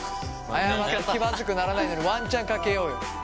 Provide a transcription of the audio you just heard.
謝って気まずくならないのにワンチャンかけようよ。